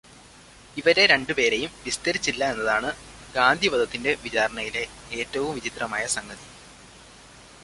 ഇവരെ രണ്ടുപേരെയും വിസ്തരിച്ചില്ല എന്നതാണ് ഗാന്ധിവധത്തിന്റെ വിചാരണയിലെ ഏറ്റവും വിചിത്രമായ സംഗതി.